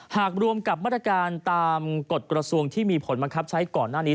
รวมกับมาตรการตามกฎกระทรวงที่มีผลบังคับใช้ก่อนหน้านี้